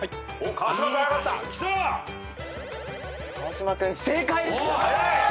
川島君正解です。